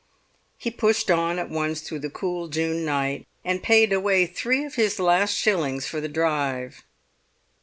He pushed on at once through the cool June night, and paid away three of his last shillings for the drive.